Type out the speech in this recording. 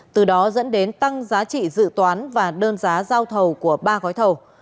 từ đó dẫn đến tăng giá trị dự toán và đơn giá giao thầu của ba gói thầu